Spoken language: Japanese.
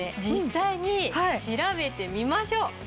実際に調べてみましょう。